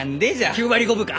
９割５分か？